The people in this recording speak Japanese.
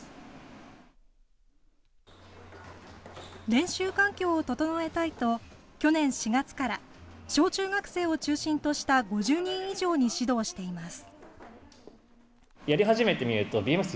練習環境を整えたいと、去年４月から、小中学生を中心とした５０人以上に指導しています。